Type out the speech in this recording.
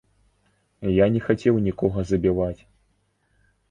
Я не хацеў нікога забіваць.